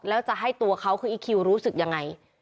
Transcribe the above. แล้วจะให้ตัวเขาคืออีคิวรู้สึกยังไง